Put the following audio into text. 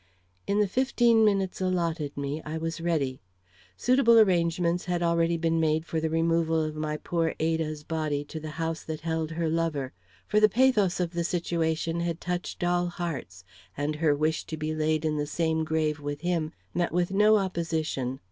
In the fifteen minutes allotted me, I was ready. Suitable arrangements had already been made for the removal of my poor Ada's body to the house that held her lover. For the pathos of the situation had touched all hearts, and her wish to be laid in the same grave with him met with no opposition.